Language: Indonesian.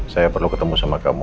saya perlu ketemu sama kamu